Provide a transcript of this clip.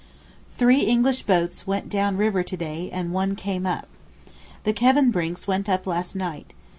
Three English boats went down river to day and one came up. The Kevenbrincks went up last night.